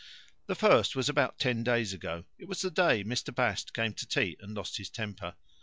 The 'first' was about ten days ago. It was the day Mr. Bast came to tea and lost his temper.